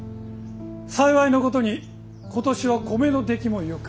幸いなことに今年は米の出来もよく。